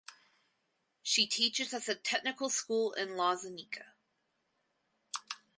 She teaches at the technical school in Loznica.